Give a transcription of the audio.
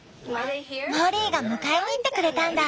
モリーが迎えに行ってくれたんだ。